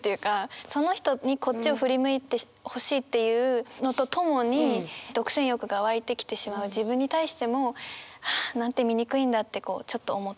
その人にこっちを振り向いてほしいっていうのとともに独占欲が湧いてきてしまう自分に対してもはあ何て醜いんだってこうちょっと思ってしまう。